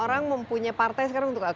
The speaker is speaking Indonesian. orang mempunyai partai sekarang untuk apa